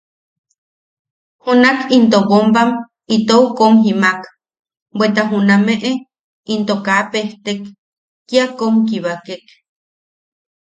Junak into bombam itou kom jimaak bweta junameʼe into kaa pejtek, kia kom kibakek.